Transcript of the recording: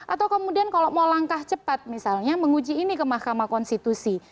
atau kemudian kalau mau langkah cepat misalnya menguji ini ke mahkamah konstitusi